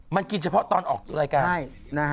มันกินเฉพาะตอนออกรายการ